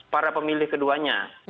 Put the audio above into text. para pemilih keduanya